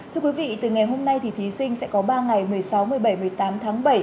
thưa quý vị từ ngày hôm nay thì thí sinh sẽ có ba ngày một mươi sáu một mươi bảy một mươi tám tháng bảy